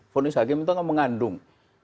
ponis hakim itu mengandung